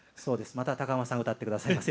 また高浜さんが歌ってくださいます。